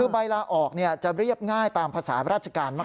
คือใบลาออกจะเรียบง่ายตามภาษาราชการมาก